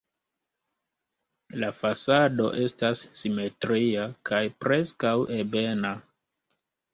La fasado estas simetria kaj preskaŭ ebena.